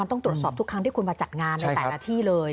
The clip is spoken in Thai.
ต้องตรวจสอบทุกครั้งที่คุณมาจัดงานในแต่ละที่เลย